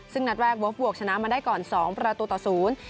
ซึ่งนัดแวกวอร์ฟบวกชนะมาได้ก่อน๒ประตูต่อ๐